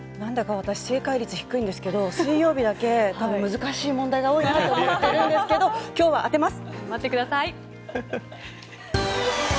なんだか私正解率低いんですけど水曜日だけ多分難しい問題が多いと思うんですけど今日は当てます。